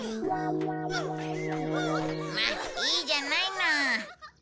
まあいいじゃないの。